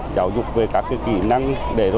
giáo dục về các kỹ năng trong xã hội